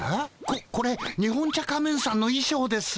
ここれ日本茶仮面さんのいしょうです。